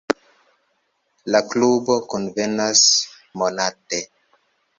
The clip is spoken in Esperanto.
La klubo kunvenas monate.